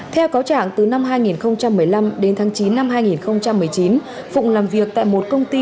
theo cáo trạng từ năm hai nghìn một mươi năm đến tháng chín năm hai nghìn một mươi chín phụng làm việc tại một công ty